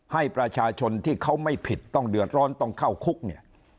ให้ประชาชนที่เขาไม่ผิดต้องเดือดร้อนต้องเข้าคุกเนี่ย